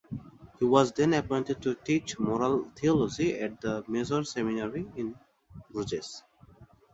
He was then appointed to teach moral theology at the major seminary in Bruges.